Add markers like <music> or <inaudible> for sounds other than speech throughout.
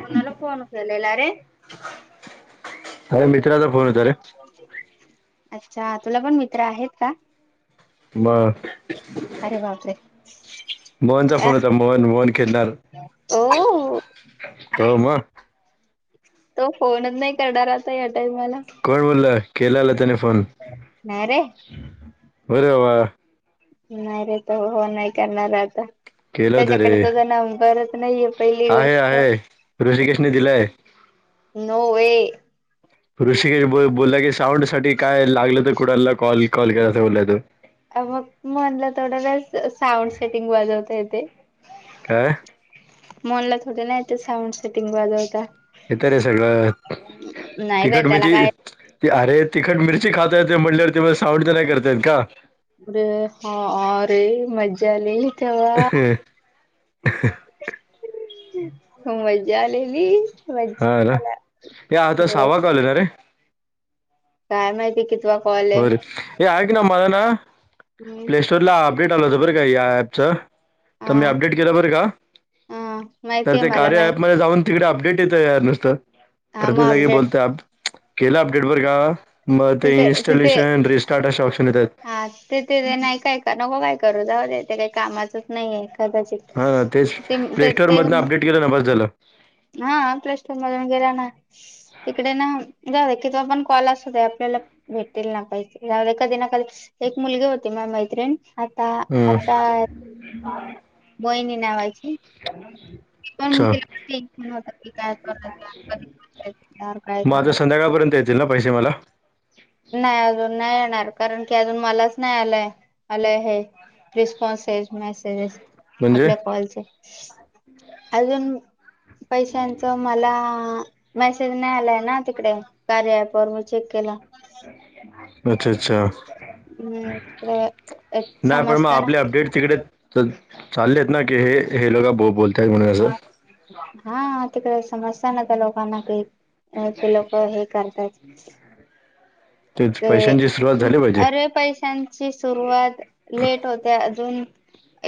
कोणाला फोन केलेला रे? अरे मित्राचा फोन होता रे. अच्छा तुला पण मित्र आहेत का? बरं अरे बापरे. मोहनचा अ, फोन होता मोहन मोहन खेदलार. ओ हो म तो फोनच नाही करणार आता या टाईमाला. केल्याला त्याने फोन, रे बरे बाबा, नाही रे त हो नाही करणार आता केलं होतं त्याच्याकडे रे तुझ नाव करत नाहीये पहिली आहे गोष्ट आहे ऋषिकेशने दिलाय <inaudible> नोवे, ऋषिकेश बोलला की साऊंड साठी काय लागलं तर कुणाला कॉल कॉल करायचा बोलला तो मग म्हणला थोड वेस साऊंड सेटिंग वाजवत ते, का? मनला थोडं ना साऊंड सेटिंग वाजवता हे तर रे सगळं नाही रे तखट त्याला मिची काय त अरे तिखट मिरची खातायेत म्हणल्या तर ते साऊंड तर नाही करतायेत का अरे हारे मजाली तेव <unintelligible> खू मजा आलेली, हा मज्जा ना त्याला या आता हो सावा कले ना रे काय माहितीय कि? होरे हे आहे की ना मला ना मी प्ले स्टोर ला अपडेट आला हो बर का या ऍपच तर हा मी अपडेट केलं बर का हा तर माहितीय ते मला माहित कार्यमध्येध्ये जाऊन, तिकडे अपडेट येतं यार नुसतं हा प्रत मग जागी अपडेट बोलत केलं अपडेट वर का? म तिथे तिथे इनस्टलेशन रिस््टार्ट शॉपश हा ते ते ते नाही काय नको काय करू जाऊ दे ते काही कामाचच नाहीय कदाचित हां तेच प्ले ते ते स्टोअरमधनं अपडेट केलं ना बस झालं हा प्लस्र मधून गैर ना <inaudible> तिकडे ना जाऊ दे की त आपण कॉल असू दे आपल्याला भेटेल ना पाहिजे जाऊ दे कधी ना कधी एक मुलगी होती म मैत्रिण आता हं, आता बहिणी <inaudible> पण अच्छा तिला म्हण हो की काय कराय कधीय काय मग करायचं आता संध्याकाळपर्यंत येतील ना पैसे मला नाही अजून नाही येणार कारण की अजून मलाच नाही आलंय आलंय हे रिस्पॉन्सेस मेसेजेस, म्हणजे आपल्या कॉलचे अजून पैशांचं मला मेसेज नाही आलाय ना तिकडे कार्या प ववर मी चेक केला, अच्छा अच्छा, हम्म तिकडे एक नाही पण मग समजतं ना आपले अपडेट तिकडे चालले आहेत ना की हे हे लो का बो बोलते हा तिकडे समस्या नता लोकांना काही <unintelligible> तेच ते पैशांची सुरुवात झाली पाहिजे अरे्या पैशांची सुरवात लेट होते अजून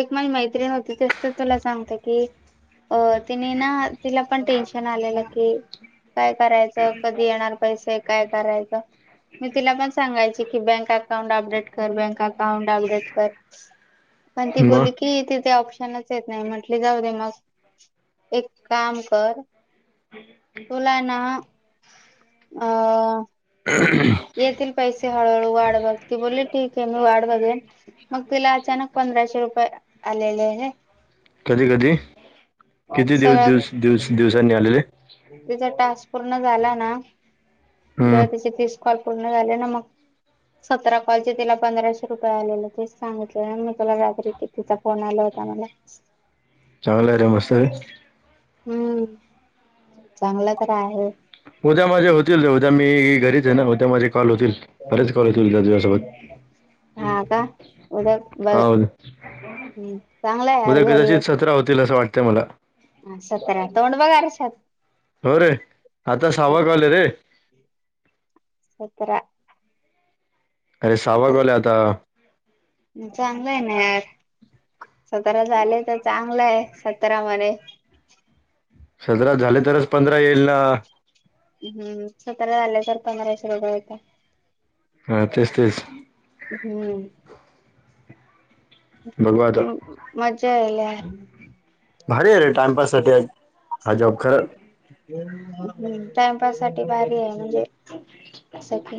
एक म्हज मैत्री होती तसत तुला सांगत की अ तिने ना तिला पण टेन्शन आलेलं की काय करायचं कधी येणार पैसे काय करायचं मी तिला पण सांगायची की बँक अकाउंट अपडेट कर बँक बॅक अकाउंट अपडेट कर प ती मग बली की त च येत नाही म्हंटले जाऊ दे मग एक काम कर तुला आहे ना? अ येतील पैसे हळूहळू वाढ बघते बोलली ठीके मी वाढ बघेन मग तिला अचानक पण पंधराशे रुपये आलेले कधी कधी किती दिवस दिवस दिवस दिवसांनी आलेले तचा टास्क पूर्ण झाला ना हं. जेव्हा त्या तस ॉल पूर्ण झाले ना मग सतरा कॉलचे तिला पंधराशे रुपये आलेले ते सांगितले ना मी तुला रात्री कितीचा फोन आला मला चांगलं आहे रेमस्त हम्म चांगलं तर आहे उद्या माझे होतील उद्या मी घरीच आहे ना उद्या माझे कॉल होतील खरेच कॉल होतील दू च्या सोबत हा का उद्या बघ हल हम्म चांगला आहे उद्या कदाचित सतरा होतील असं वाटतंय मला ह सतरा तोंड बघारच्याात हो रे आता सवाग आले रे सतरा अरे सहावा कॉल आहे आता चांगलं आहे ना यार सतरा झाले तर चांगलंय सतरा मध्ये सधरा झाले तरच पंधरा येईल ना हम्म सत झाल्या कर प मराशता हा तेच तेच हम्म बघू आता हम् म ल भर अरे टाइमपाससाठीठी हज खरं हम्म टाइमपास साठी भारी आहे म्हणजे अस की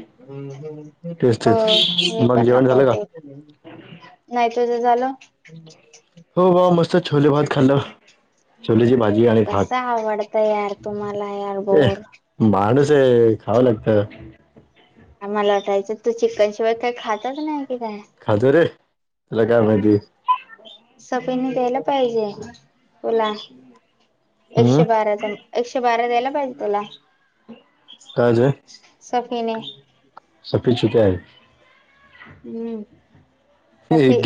तेच हो तेच हे मग पण जेवण झालं का नकोते नाही तुझं झालं हो भा मस्त छोले बहत खाल्ल छोले ज भाजी आणि कस भाक आवडत यार तुम्हाला यार बोर माणस खावं लागत मला वाटायचं तू चिकनशिवाय काही खातात नाही खाज रे तुला काय माहिती सफईने द्यायला पाहिजे तुला हम्म एकशे बाराचा एकशे बारा द्यायला पाहिजे तुला काळज सफीने सपीछुकय हम्म सफी एक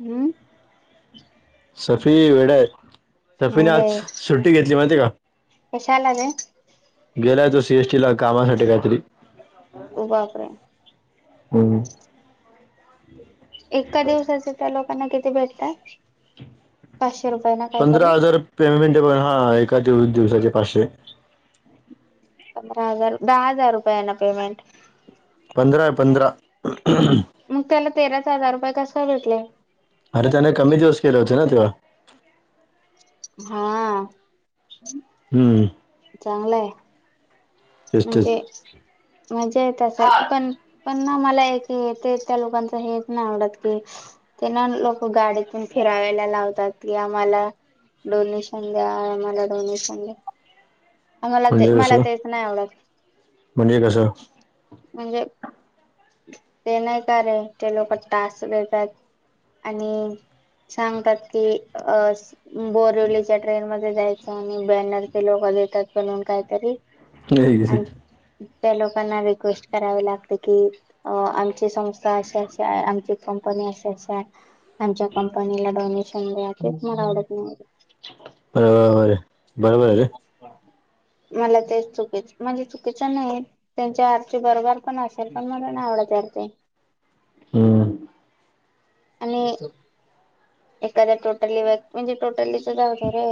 हम्म सफी वेडा आहे नाही सफीने आज रे सुट्टी घेतली माहितीये का कशाला ग गेलाय तो सीएसटी ला कामासाठी काहीतरी उभपरे हम् एका दिवसाचे त्या लोकांना किती भेटताय पाचशे रुपये ना पंधरा काहीतरी हजार पेमेंट हा एका दिवसाचे पाचशे पंधरा हजार दहा हजार रुपये ना पेमेंट पंधरा पंधरा मग त्याला तेराच हजार रुपये कसा भेटलय अरे त्याने कमी दिवस केला होत ना तेव्हा हा हम्म चांगलंय तेच तेच म्हणजे मजा येत असेल पण मला कीथ <unintelligible> त्या लोकांच हे नाही आवडत की त्यां ल मग गाडीतून फिरायला लावतात आम्हाला डोनेशन द्या आम्हाला डोनेशन द्या आ मला ते म्हणजे मला कसं तेच नाही आवडत म्हणजे कस म्हणजे ते नाही काय रे ते लोक टास्क देत आणि सांगतात की अ बोरिवलीच्या ट्रेन मध्ये जायच आणि बॅनरचे लोक देतात म्हणून काहीतरी आणि <inaudible> त्या लोकांना रिक्वेस्ट करावे लागते की अ आमची संस्था अशी अशी आहे आमची कंपनी अशी अशी आहे आमच्या कंपनीला डोनेशन द्या हेच मला आवडत नाही बरोबर बरोबर आहे रे मला तेच चुकीच म्हणजे चुकीचं नाही त्यांच्या अर्थी बरोबर पण असेल पण मला नाही आवडत करते <unintelligible> हम्म आणि एखाद्या टोटली म्हणजे टोटलीच जाउदे रे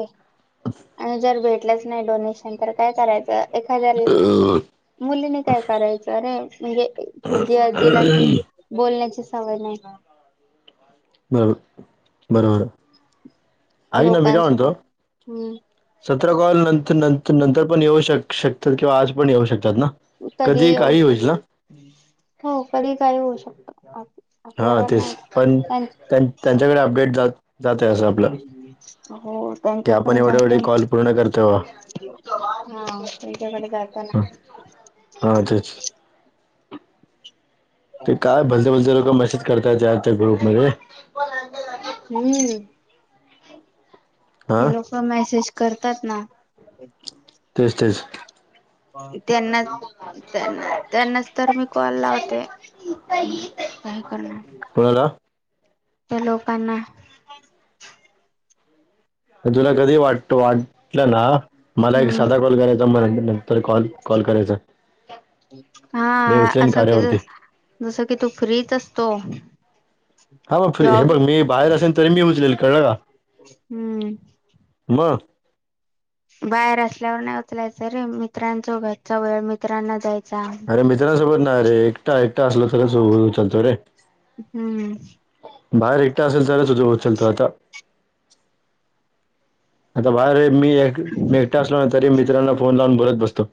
आणि जर भेट भेटलेच नाही डोनेशन तर काय करायचं एखाद्या मुलीने काय करायचं अरे म्हणजे जिला कि बोलण्याची सवय नाही बरोबर बरोबर ऐक ना मी काय म्हणतो लोकांसोबत हम्म तसं तर कॉल नंतर नंतर नंतर पण येऊ शक शकतात किंवा आज पण येऊ शकतात ना कधी येऊ काही होईल ना शकत हो कधी काही होऊ शकत हा आपल्यावर तेच नाही पण त्यां त्यां त्यांच्याकडे अपडेट जात जातय असं आपलं हो की आपण एवढे ऐवढे कॉल पूर्ण करतोय हा त्यांच्या कडे जात ना अच्छाच्छा ते काय भलते भलते लोक मेसेज करताय या त्या ग्रुप मध्ये हम्म ते हा लोक मेसेज करतात ना तेच तेच त्यांना त्यांना त्यांनाच तर मी कॉल लावते काय करणार कोणाला त्या लोकांना तुला कधी वाटत वाटलं ना मला एक हम्म साधा कॉल करायचा, म नंतर कॉल कॉल करायचा हा मी उचलेन असं की, कार्यावरती जस की तू फ्रीच असतो. हो, फ्री हे जॉब बघ मी बाहेर असेन तरी मी उचलेल कळलं का? हम्म... म, बाहेर असल्यावर नाही उचलायचं रे, मित्रांसोबत चा वेळ मित्रांना द्यायचा. अरे मित्रांसोबत नाही रे, एकटा, एकटा, असल तर उचलतो रे. हम्म, बाहेर एकटा असेल तरच उचलतो, चालतो आता आता बाहेर मी एक एकटा असलो ना तरी, मित्रांना फोन लावून बोलत बसतो.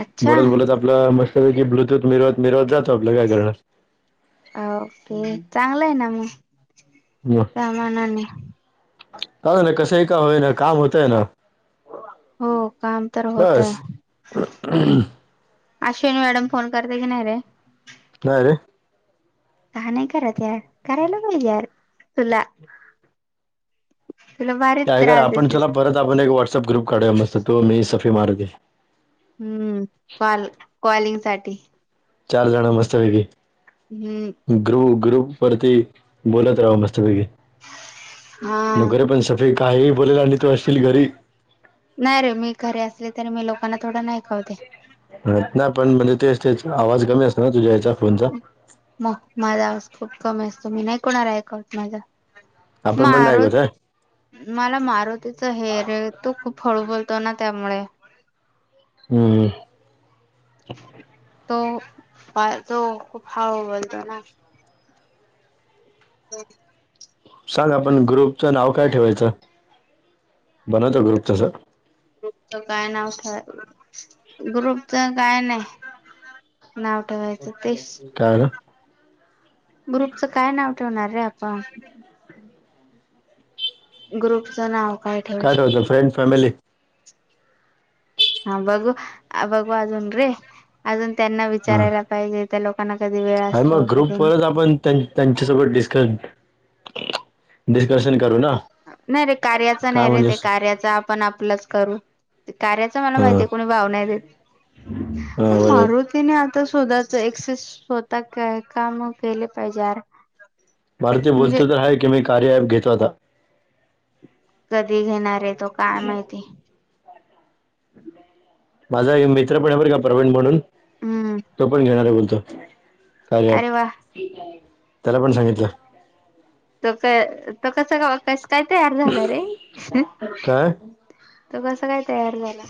अच्छा बोलत, बोलत आपलं मस्त पैकी ब्लूतूथ मिरवत, मिरवत जातो आपलं काय करणार? ओके,, चांगलं य ना मग,, त्या मानाने का ना,, कसंही का होई ना काम होतय ना. हो,, काम तर होतय. बस अश्विनी मॅडम फोन करते की नाही रे? नाह रे, का नाही करत यार,, करायला पाहिज यार, तुला,, तुला भारीच काय करु,, त्रास आपण देते चला परत आपण एक व्हॉट्सअप ग्रुप काढूया मस्त तु मी सफे मारूती, हम्म,, कॉल कॉलिंग साठी, चार जण मस्त पैकी,, हम्म भ्रम. ग्रुप वरती बोलत राहू मस्तपैकी,, हा नको रे पण सगळे काही बोलेल, आणी तू आशिल घरी नाही रे मी घरी असले तरी मी लोकांना थोडा नाही कळतंय नाही, पण म्हणजे तेतच, आवाज कमी असत ना तुझ्या या्याचाऽऽ मग,, माझा आ खूप कमी असतो मी नाही कुणाला ऐकवत माझा आपण पण नाही मारु, ऐकत आहे मला मारुतीचा हेर तो खूप हळू बोलतो ना त्यामुळे,, हम्म, तो, पा तो खूप हाळु बोलतो ना,, हो, सांग आपण ग्रुपच नाव काय ठेवायचं,, बनवतो ग्रुप तसं. ग्रुपच काय नाव ठेवा ग्रुपच काय नाही,, नाव ठेवायचं,, ते,, काय ना ग्रुपचं काय नाव ठेवणार रे आपण,,, ग्रुपचं नाव काय ठेवू ठेवायचं शकत? फ्रेंड फॅमिली हा बघू,, बघू अजून रे,, अजून त्यांना हां विचारायला पाहिजे त्या लोकऽऽ आणि मग ग्रुप वरच आपण, त्यांच्या सोबत डिस्क डिस्कशन करू ना नाही रे,, कार्याचा नाही काय रे,, ते म्हणजेस कार्याचा आपण आपलंच करू. कार्याच मला हां माहितीय,, कोणी भाव नाही देत,, हां पण बरोबर मारुतीने तर स्ोधाच एसे स्वतः काम केले पाहिजेरऽऽ <unintelligible> मारूती बोलत तर हाय,, की मी कार्या ॲप घेतो आता. कधी घेणार आहे तो काय माहिती? माझा एक मित्र पण आहे बर,, का प्रवीण म्हणून हम्म तो पण घेणार आहे बोलतो. कार्या अरे ॲप, वा त्याला पण सांगितलं तो का, तो कस, कस, काय तयार झालं रे? काय तो कसं काय तयार झाला?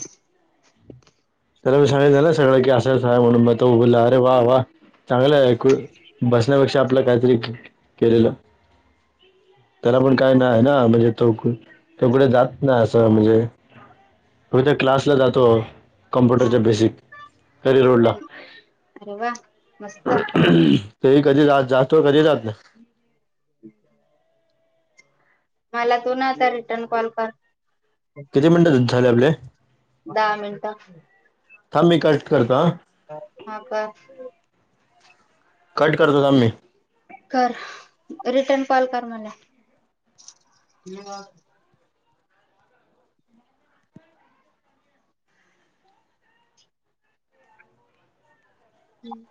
त्याला मी सांगितनलं ना सगळं की असं असं आहे म्हणून मग तो बोलला,,, अरे वा! चांगलं आहे खूप,, बसण्यापेक्षा आपलं काहीतरी केलेलं! त्याला पण काय नाही ना,, म्हणजे तो त कुठे जात ना असं म्हणजे फक्त क्लासला जातो. हा कम्प्युटरच्या बेसिक करिअर ला अरे वा <unintelligible> मस्त ते ही कधी जातो, कधी जात नाही. अच् <inaudible> मला तू नता रिटर्न कॉल कर. किती मिनिटं झाले आपले. दहा मिनट. थांब मी कट करत. हा कर. कट करतो थांब मी. कर रिटन कॉल कर मला. हम्म.